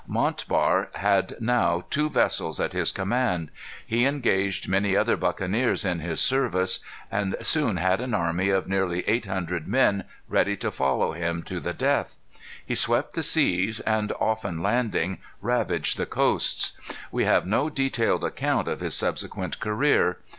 Montbar had now two vessels at his command. He engaged many other buccaneers in his service, and soon had an army of nearly eight hundred men ready to follow him to the death. He swept the seas, and, often landing, ravaged the coasts. We have no detailed account of his subsequent career.